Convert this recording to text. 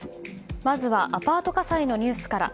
まずはアパート火災のニュースから。